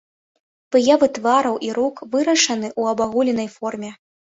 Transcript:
Выявы твараў і рук вырашаны ў абагульненай форме.